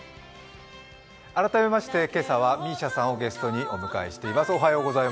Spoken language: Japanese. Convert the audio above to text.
改めまして今朝はＭＩＳＩＡさんをゲストにお迎えしています。